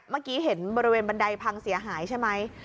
เมื่อกี้เห็นบริเวณบันไดพังเสียหายใช่ไหม